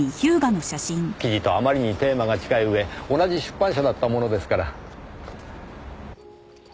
記事とあまりにテーマが近い上同じ出版社だったものですから。